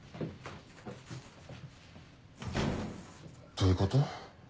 どういうこと？